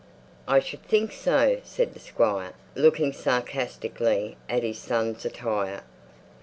"I should think so," said the Squire, looking sarcastically at his son's attire.